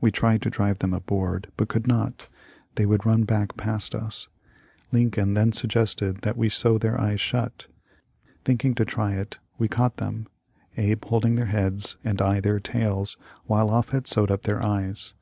We tried to drive them aboard, but could not. They would run back past us. Lincoln then THE LIFE OF LINCOLN. 75 suggested that we sew their eyes shut. Thinking to try it, we caught them, Abe holding their heads and I their tails while Offut sewed up their eyes.